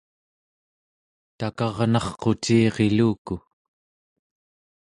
takarnarquciriluku